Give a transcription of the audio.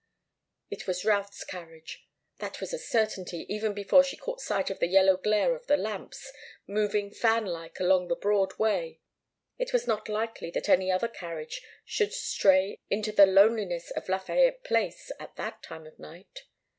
It was Routh's carriage. That was a certainty, even before she caught sight of the yellow glare of the lamps, moving fan like along the broad way. It was not likely that any other carriage should stray into the loneliness of Lafayette Place at that time of night.